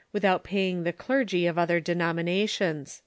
without paying the clergy of other denominations."